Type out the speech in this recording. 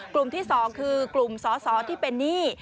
กลุ่มที่๒คือกลุ่มสอสอที่เป็นหนี้